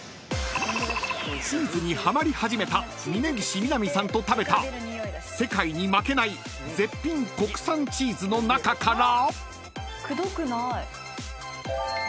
［チーズにはまり始めた峯岸みなみさんと食べた世界に負けない絶品国産チーズの中から］